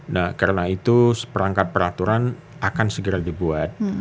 nah karena itu perangkat peraturan akan segera dibuat